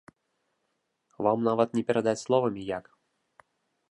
Вам нават не перадаць словамі як!